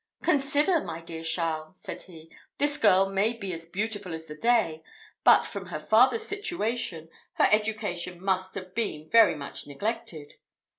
"Consider, my dear Charles," said he, "this girl may be as beautiful as the day, but, from her father's situation, her education must have been very much neglected."